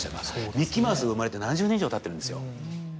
ミッキーマウスが生まれて７０年以上たってるんですよ。